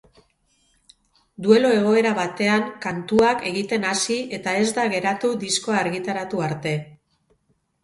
Duelo egoera batean kantuak egiten hasi eta ez da geratu diskoa argitaratu arte.